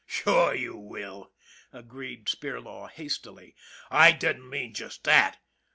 " Sure, you will," agreed Spirlaw, hastily. " I didn't mean just that."